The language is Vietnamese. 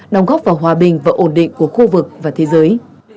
đồng góp vào hòa bình và ổn định của khu vực và thế giới